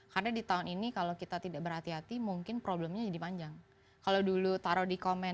karena di tahun ini kalau kita tidak berhati hati mungkin problemnya jadi panjang kalau dulu taruh di